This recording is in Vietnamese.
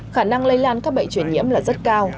khả năng lây lan các bệnh truyền nhiễm là rất cao